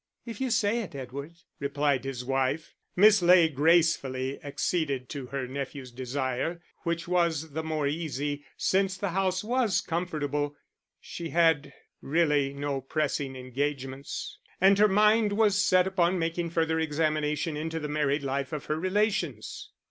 "If you say it, Edward," replied his wife. Miss Ley gracefully acceded to her nephew's desire, which was the more easy, since the house was comfortable, she had really no pressing engagements, and her mind was set upon making further examination into the married life of her relations.